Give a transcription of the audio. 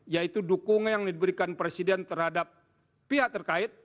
yaitu dukungan yang diberikan presiden terhadap pihak terkait